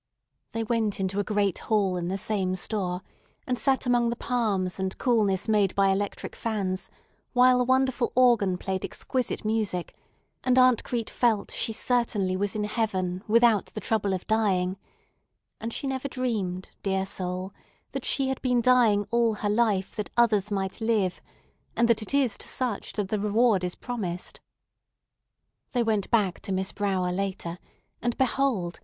They went into a great hall in the same store, and sat among the palms and coolness made by electric fans, while a wonderful organ played exquisite music, and Aunt Crete felt she certainly was in heaven without the trouble of dying; and she never dreamed, dear soul, that she had been dying all her life that others might live, and that it is to such that the reward is promised. They went back to Miss Brower later; and behold!